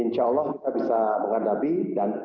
dan ini akan menjadi hal yang sangat penting